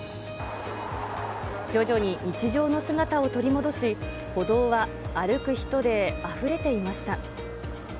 徐々に日常の姿を取り戻し、歩道は歩く人であふれていました。